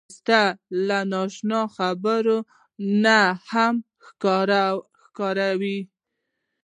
ښایست له نا اشنا خبرو نه هم راښکاري